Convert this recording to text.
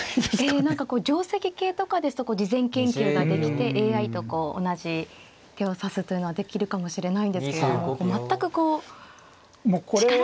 ええ何か定跡形とかですと事前研究ができてＡＩと同じ手を指すというのはできるかもしれないんですけれども全くこう力将棋で。